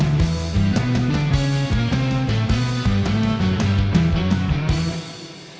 ini buburnya mbak